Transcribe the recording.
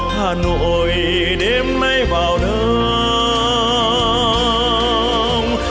hà nội đêm nay vào đông